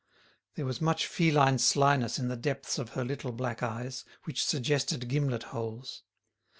There was much feline slyness in the depths of her little black eyes, which suggested gimlet holes.